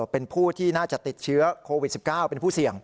เป็นผู้ที่น่าจะติดเชื้อโควิด๑๙เป็นผู้เสี่ยง